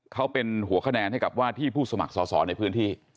เขาเป็นหัวคะแนนให้กับว่าที่ผู้สมัครสอสอในพื้นที่